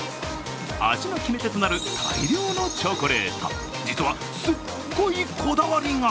味の決め手となる大量のチョコレート、実はすっごいこだわりが。